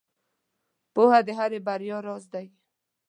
• پوهه د هرې بریا راز دی.